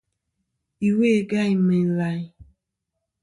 Iwo-i gayn meyn layn.